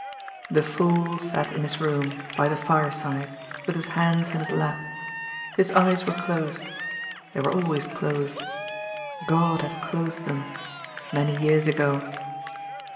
The fool sat in his room, by the fireside, with his hands in his lap. His eyes were closed. They were always closed. God had closed them. Many years ago.